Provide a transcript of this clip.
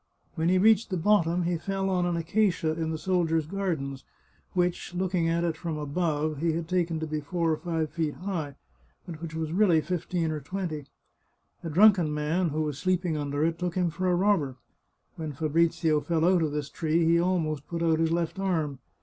When he reached the bottom he fell on an acacia in the sol 408 The Chartreuse of Parma diers' gardens, which, looking at it from above, he had taken to be four or five feet high, but which really was fifteen or twenty. A drunken man who was sleeping under it took him for a robber. When Fabrizio fell out of this tree he almost put out his left arm.